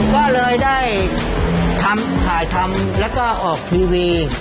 ก็เลยได้ทำถ่ายทำแล้วก็ออกทีวี